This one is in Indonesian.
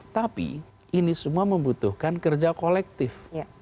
tapi ini semua membutuhkan kerja kolektif